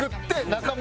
中村。